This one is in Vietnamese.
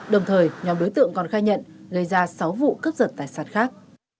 đồng thời nhóm đối tượng còn khai nhận gây ra sáu vụ cướp giật tài sản khác